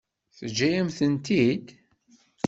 Teǧǧa-yam-tent-id?